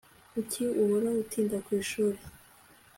Kuki uhora utinda kwishuri